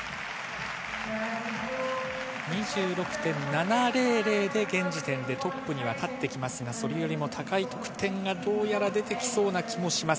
２６．７００で現時点でトップに立ってきますがそれよりも高い得点が出てきそうな気もします。